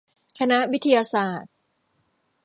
คณะวิทยาศาสตร์